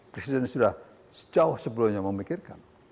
presiden sudah sejauh sebelumnya memikirkan